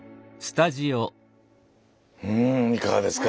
うんいかがですか。